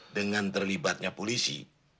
dengan terlibatnya polisi